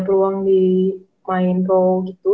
peluang di main pro gitu